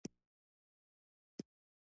شنیز د یوې درې نوم دی.